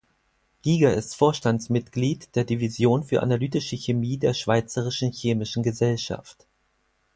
Giger ist Vorstandsmitglied der Division für analytische Chemie der Schweizerischen Chemischen Gesellschaft.